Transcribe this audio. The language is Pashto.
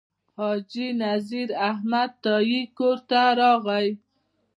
حاجي نذیر احمد تائي کور ته راغی.